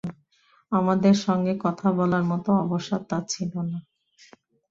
আমাদের সঙ্গে কথা বলার মতো অবসর তাঁর ছিল না।